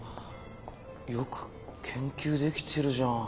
よく研究できてるじゃん。